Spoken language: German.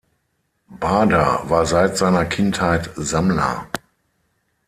Bader war seit seiner Kindheit Sammler.